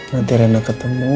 nanti rena ketemu